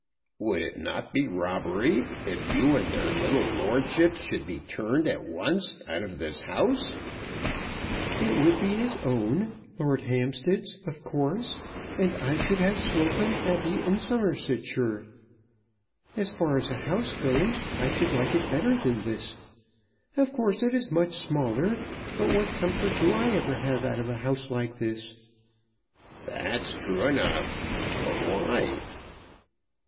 "Would it not be robbery if you and their little lordships should be turned at once out of this house?" "It would be his own; Lord Hampstead's, of course. I should have Slocombe Abbey in Somersetshire. As far as a house goes, I should like it better than this. Of course it is much smaller; but what comfort do I ever have out of a house like this?" "That's true enough. But why?"